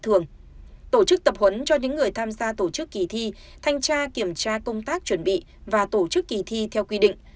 tổ chức tập huấn cho những người tham gia tổ chức kỳ thi thanh tra kiểm tra công tác chuẩn bị và tổ chức kỳ thi theo quy định